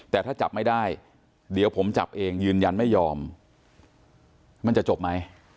แต่ถ้าจับไม่ได้เดี๋ยวผมจับเองยืนยันไม่ยอมมันจะจบไหม